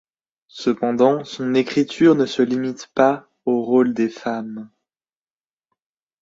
Cependant, son écriture ne se limite pas au rôle des femmes.